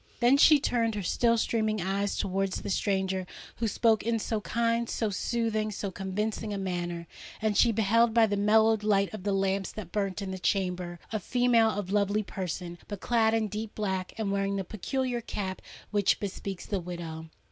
Then she turned her still streaming eyes towards the stranger who spoke in so kind, so soothing, so convincing a manner; and she beheld, by the mellowed light of the lamps that burnt in the chamber, a female of lovely person, but clad in deep black, and wearing the peculiar cap which bespeaks the widow.